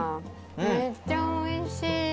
めっちゃおいしい。